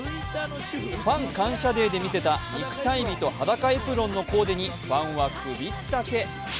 ファン感謝デーでみせた肉体美と裸エプロンのコーデにファンは首ったけ。